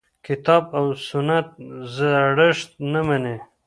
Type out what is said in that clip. کتاب او سنت زړښت نه مني.